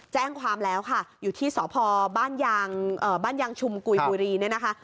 แจ้งความแล้วค่ะอยู่ที่สพบ้านยางชุมกุยบุรีเนี่ยนะคะ